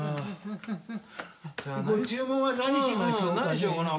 ご注文は何しましょうかね。